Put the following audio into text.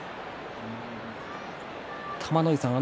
玉ノ井さん